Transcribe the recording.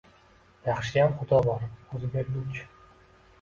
Yaxshiyam Xudo bor o’zi berguvchi